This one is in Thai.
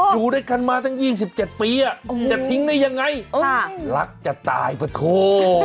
อยู่ด้วยกันมาตั้ง๒๗ปีจะทิ้งได้ยังไงรักจะตายปะโถ